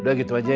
udah gitu aja ya